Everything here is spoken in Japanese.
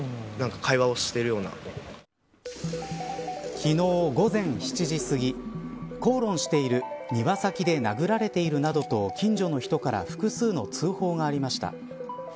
昨日午前７時すぎ口論している庭先で殴られているなどと近所の人から複数の通報がありました。